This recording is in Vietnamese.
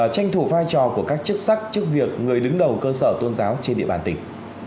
tranh thủ vai trò của các chức sắc chức việc người đứng đầu cơ sở tôn giáo trên địa bàn tỉnh